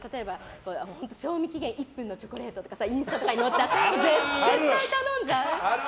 賞味期限１分のチョコレートとかインスタとかに載ってたら絶対頼んじゃう。